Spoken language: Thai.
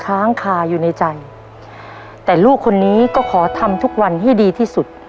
ค้างคาอยู่ในใจแต่ลูกคนนี้ก็ขอทำทุกวันให้ดีที่สุด